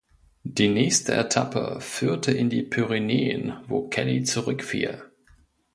Die nächste Etappe führte in die Pyrenäen, wo Kelly zurückfiel.